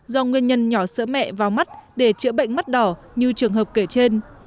do nguyên nhân nhỏ sữa mẹ vào mắt để chữa bệnh mắt đỏ như trường hợp kể trên